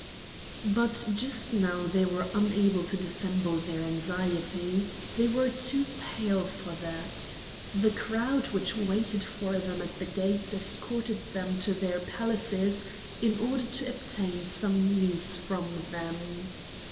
But just now they were unable to dissemble their anxiety; they were too pale for that. The crowd which waited for them at the gates escorted them to their palaces in order to obtain some news from them.